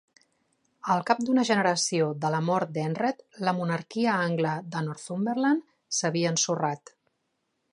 Al cap d'una generació de la mort d'Eanred, la monarquia angla de Northumberland s'havia ensorrat.